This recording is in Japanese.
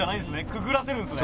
くぐらせるんですね。